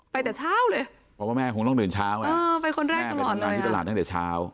ไปตั้งแต่เช้าเลย